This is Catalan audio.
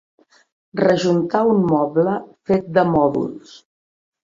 Rejuntar un moble fet de mòduls.